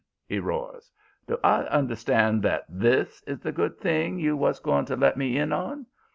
he roars. 'Do I understand that THIS is the good thing you was going to let me in on?